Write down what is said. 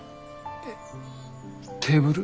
えっテーブル？